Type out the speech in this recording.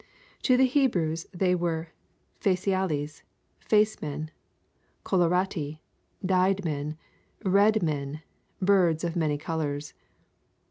To the Hebrews, they were faciales, face men; colorati, dyed men, red men, birds of many colours.